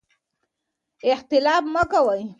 اختلاف مه کوئ.